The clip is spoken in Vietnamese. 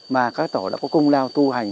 mà các tổ đã có cung lao tu hành